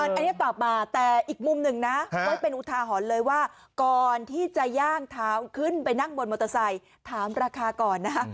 อะไอ้เนี้ยปฏาบมาแต่อีกมุมนึงนะมาเป็นอุทาหอนเลยว่าก่อนที่จะย่างทางขึ้นไปนั่งบนมอเตอร์ไสต์ถามราคาก่อนนะ